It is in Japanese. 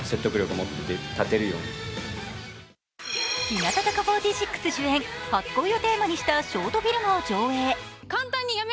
日向坂４６主演、初恋をテーマにしたショートフィルムを上演。